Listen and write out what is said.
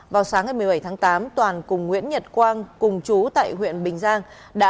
vào sáng ngày một mươi bảy tháng tám toàn cùng nguyễn nhật quang cùng chú tại huyện bình giang đã